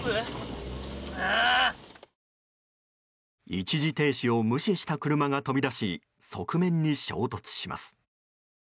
一時停止を無視した車が飛び出し側面に衝突します。